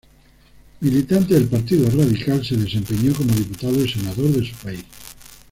Militante del Partido Radical, se desempeñó como diputado y senador de su país.